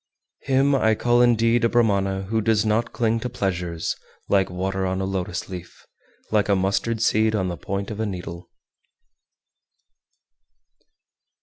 401. Him I call indeed a Brahmana who does not cling to pleasures, like water on a lotus leaf, like a mustard seed on the point of a needle.